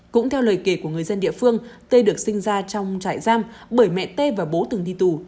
cũng theo lời kể của người dân địa phương tê được sinh ra trong trại giam bởi mẹ tê và bố từng đi tù